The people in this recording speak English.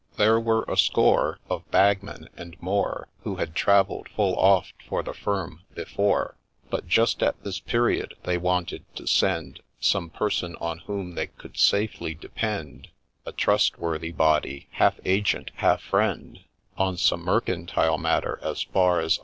There were a score Of Bagmen, and more, Who had travell'd full oft for the firm before ; But just at this period they wanted to send Some person on whom they could safely depend — A trustworthy body, half agent, half friend, — On some mercantile matter as far as